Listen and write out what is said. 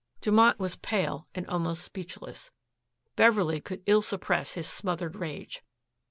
Dumont was pale and almost speechless. Beverley could ill suppress his smothered rage.